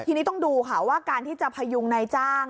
ทีนี้ต้องดูค่ะว่าการที่จะพยุงนายจ้าง